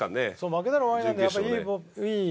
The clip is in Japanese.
負けたら終わりなんでやっぱりいいピッチャー。